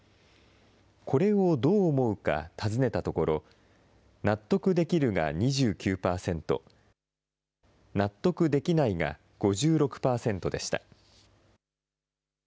これをどう思うか尋ねたところ、納得できるが２９％、納得できないが５６％でした。